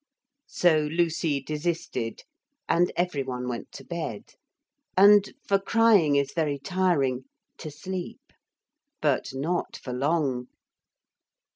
So Lucy desisted and every one went to bed, and, for crying is very tiring, to sleep. But not for long.